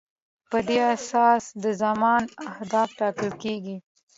په دې اساس د سازمان اهداف ټاکل کیږي.